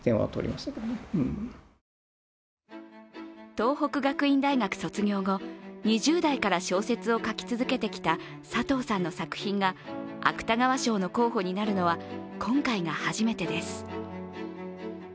東北学院大学卒業後、２０代から小説を書き続けてきた佐藤さんの作品が芥川賞の候補になるのは今回が初めてです。